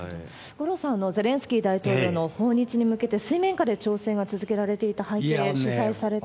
五郎さん、ゼレンスキー大統領の訪日に向けて、水面下で調整が続けられていた背景、取材されていたと。